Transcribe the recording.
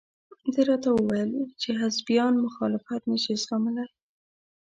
ده راته وویل چې حزبیان مخالفت نشي زغملى.